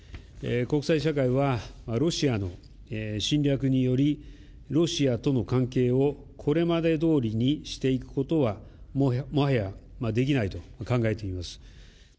国際社会はロシアの侵略により、ロシアとの関係をこれまでどおりにしていくことは、もはやできないと考えています。